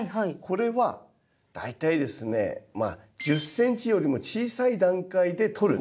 これは大体ですね１０ｃｍよりも小さい段階で取る。